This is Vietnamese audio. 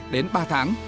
đến ba tháng